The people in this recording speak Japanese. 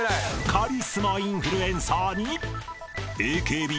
［カリスマインフルエンサーに］